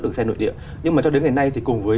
đường xe nội địa nhưng mà cho đến ngày nay thì cùng với